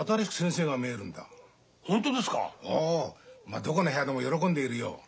どこの部屋でも喜んでいるよ